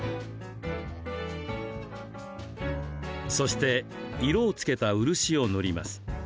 そして、色をつけた漆を塗ります。